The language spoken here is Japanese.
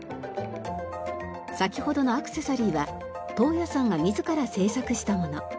先ほどのアクセサリーは東矢さんが自ら制作したもの。